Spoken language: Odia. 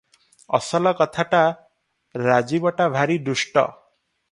ଅସଲ କଥାଟା, ରାଜୀବଟା ଭାରି ଦୁଷ୍ଟ ।